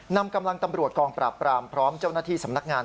นำกำลังตำรวจกองปราบปรามพร้อมเจ้าหน้าที่สำนักงาน